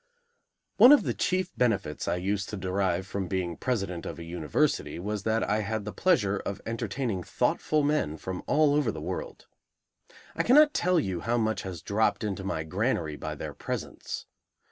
One of the chief benefits I used to derive from being president of a university was that I had the pleasure of entertaining thoughtful men from all over the world. I cannot tell you how much has dropped into my granary by their presence.